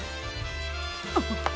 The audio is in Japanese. あっ！